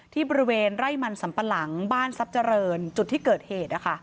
ที่บริเวณไร่มันสัมปะหลังบ้านทรัพย์เจริญจุดที่เกิดเหตุ